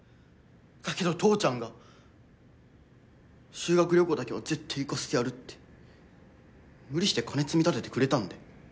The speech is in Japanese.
だけど父ちゃんが修学旅行だけはぜってえ行かせてやるって無理して金積み立ててくれたんだよ。